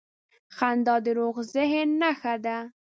• خندا د روغ ذهن نښه ده.